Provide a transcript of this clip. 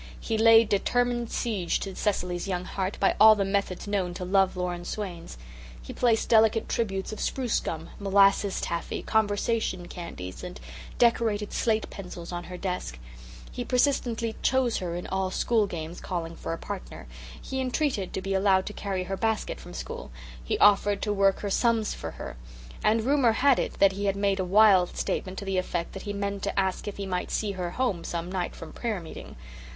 He laid determined siege to Cecily's young heart by all the methods known to love lorn swains. He placed delicate tributes of spruce gum, molasses taffy, "conversation" candies and decorated slate pencils on her desk; he persistently "chose" her in all school games calling for a partner; he entreated to be allowed to carry her basket from school; he offered to work her sums for her; and rumour had it that he had made a wild statement to the effect that he meant to ask if he might see her home some night from prayer meeting.